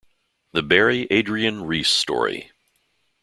The Barry Adrian Reese Story.